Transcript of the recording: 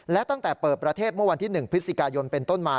และตั้งแต่เปิดประเทศเมื่อวันที่๑พฤศจิกายนเป็นต้นมา